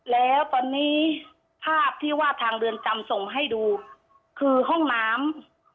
แล้วตอนนี้ภาพที่ว่าทางเรือนจำส่งให้ดูคือห้องน้ำ